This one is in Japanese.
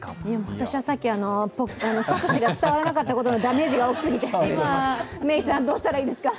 私はサトシが伝わらなかったことのダメージが大きすぎてメイさん、どうしたらいいですか？